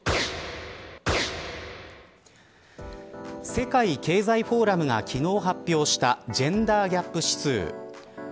世界経済フォーラムが昨日発表したジェンダーギャップ指数。